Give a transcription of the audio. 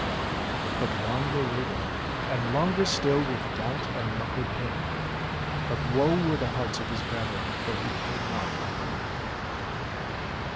But long they waited, and longer still, With doubt and muckle pain. But woe were the hearts of his brethren. For he came not back again.